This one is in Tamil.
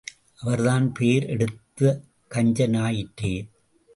அவர்தான் பேர் எடுத்தக் கஞ்சன் ஆயிற்றே!